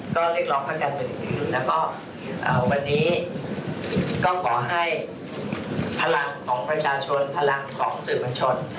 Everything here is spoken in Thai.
ก็เรียกรอบพักการหมุนและวันนี้ก็ขอให้พลังของประชาชนพลังของสื่อมันชน